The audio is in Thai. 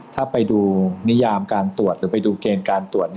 ถ้าไปดูนิยามการตรวจหรือไปดูเกณฑ์การตรวจ